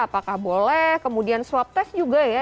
apakah boleh kemudian swab test juga ya